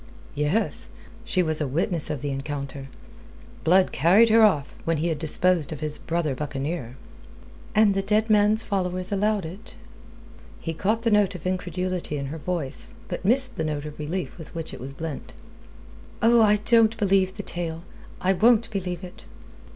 "Yes. She was a witness of the encounter. Blood carried her off when he had disposed of his brother buccaneer." "And the dead man's followers allowed it?" He caught the note of incredulity in her voice, but missed the note of relief with which it was blent. "Oh, I don't believe the tale. I won't believe it!"